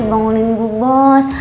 bangunin bu bos